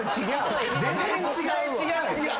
全然違うわ。